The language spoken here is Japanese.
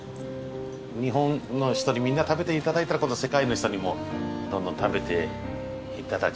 日本の人にみんな食べて頂いたら今度世界の人にもどんどん食べて頂きたいし。